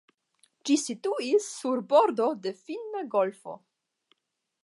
Ĝi situis sur bordo de Finna Golfo.